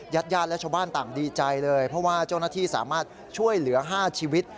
ญาติญาติและชาวบ้านต่างดีใจเลยเพราะว่าเจ้าหน้าที่สามารถช่วยเหลือ๕ชีวิต